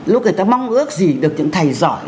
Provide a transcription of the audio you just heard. lúc người ta mong ước gì được những thầy giỏi